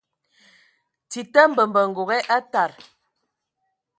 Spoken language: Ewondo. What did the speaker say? Tita mbembə ngoge aa tad.